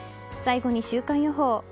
最後に週間予報。